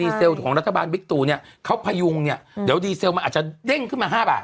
เซลของรัฐบาลบิ๊กตูเนี่ยเขาพยุงเนี่ยเดี๋ยวดีเซลมันอาจจะเด้งขึ้นมา๕บาท